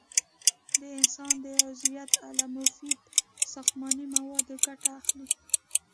د انسان د عضویت له مفیده ساختماني موادو ګټه اخلي.